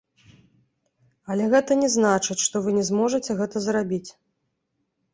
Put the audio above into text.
Але гэта не значыць, што вы не зможаце гэта зрабіць.